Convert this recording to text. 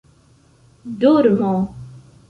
dormo